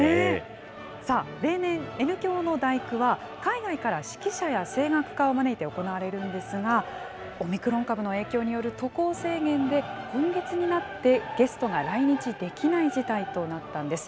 さあ、例年、Ｎ響の第九は、海外から指揮者や声楽家を招いて行われるんですが、オミクロン株の影響による渡航制限で、今月になってゲストが来日できない事態となったんです。